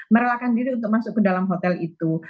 merelakan diri untuk masuk ke dalam hotel itu